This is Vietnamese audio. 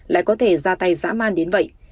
lại có thể ra tay giã man đến vậy